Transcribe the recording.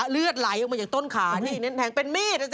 เลือดไหลออกมาจากต้นขานี่เน้นแทงเป็นมีดนะสิ